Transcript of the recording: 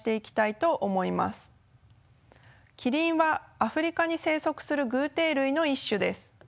キリンはアフリカに生息する偶てい類の一種です。